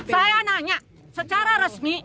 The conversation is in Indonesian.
saya nanya secara resmi